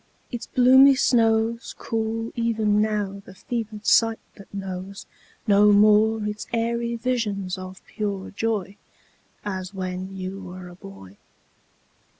Its bloomy snows Cool even now the fevered sight that knows No more its airy visions of pure joy As when you were a boy.